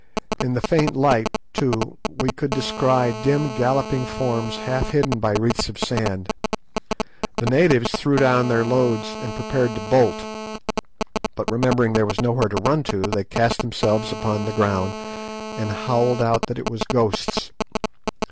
In the faint light, too, we could descry dim galloping forms half hidden by wreaths of sand. The natives threw down their loads and prepared to bolt, but remembering that there was nowhere to run to, they cast themselves upon the ground and howled out that it was ghosts.